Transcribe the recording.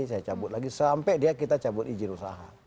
saya cabut lagi sampai dia kita cabut izin usaha